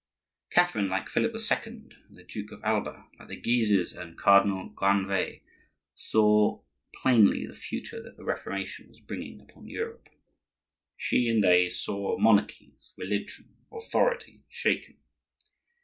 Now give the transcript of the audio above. Catherine, like Philip the Second and the Duke of Alba, like the Guises and Cardinal Granvelle, saw plainly the future that the Reformation was bringing upon Europe. She and they saw monarchies, religion, authority shaken.